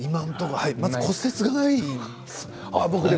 まず骨折がないんです。